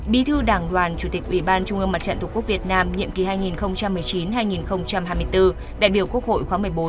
bi thư đảng đoàn chủ tịch ubnd nhiệm kỳ hai nghìn một mươi chín hai nghìn hai mươi bốn đại biểu quốc hội khóa một mươi bốn